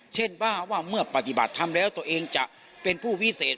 เช่นบ้างว่าเมื่อปฏิบัติทำแล้วตัวเองจะเป็นผู้วิเศษ